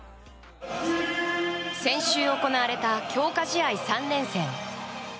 先週行われた強化試合３連戦。